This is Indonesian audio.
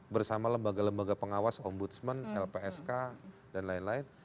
bersama lembaga lembaga pengawas ombudsman lpsk dan lain lain